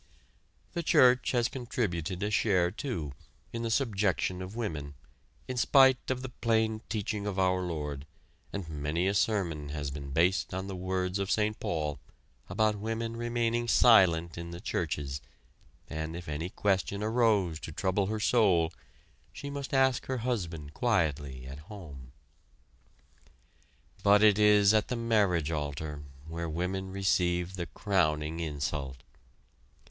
The church has contributed a share, too, in the subjection of women, in spite of the plain teaching of our Lord, and many a sermon has been based on the words of Saint Paul about women remaining silent in the churches, and if any question arose to trouble her soul, she must ask her husband quietly at home. But it is at the marriage altar, where women receive the crowning insult.